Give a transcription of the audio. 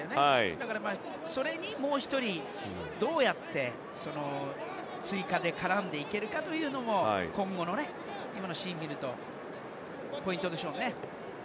だから、それにもう１人どうやって追加で絡んでいけるかというのも今後のね、今のシーンを見るとポイントでしょうね。